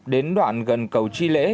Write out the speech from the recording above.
đến đoạn gần cầu chi lễ